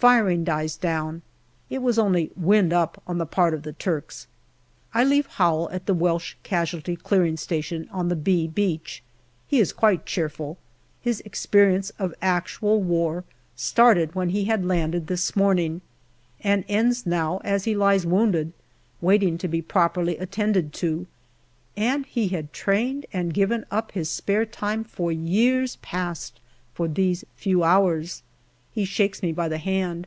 Firing dies down. It was only " wind up " on the part of the Turks. I leave Howell at the Welsh Casualty Clearing Station on the " B " Beach. He is quite cheerful. His experience of actual war started when he had landed this morning, and ends now as he lies wounded, waiting to be properly attended to, and he had trained and given up his spare time for years past for these few hours ! He shakes me by the hand.